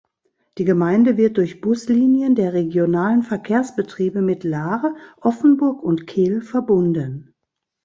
Die Gemeinde wird durch Buslinien der regionalen Verkehrsbetriebe mit Lahr, Offenburg und Kehl verbunden.